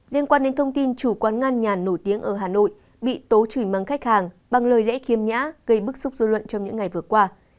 liên quan đến thông tin chủ quán ngăn nhà nổi tiếng ở hà nội bị tố chửi măng khách hàng bằng lời lẽ khiêm nhã gây bức xúc dư luận trong những ngày vừa qua